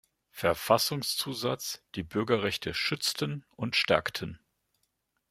Verfassungszusatz die Bürgerrechte schützten und stärkten.